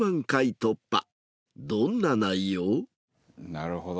なるほど。